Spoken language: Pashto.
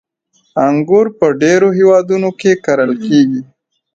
• انګور په ډېرو هېوادونو کې کرل کېږي.